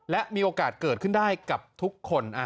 และมีโอกาสเกิดขึ้นได้กับทุกคน